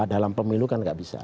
dalam pemilu kan gak bisa